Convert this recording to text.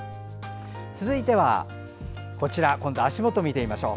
続いては今度は足元を見てみましょう。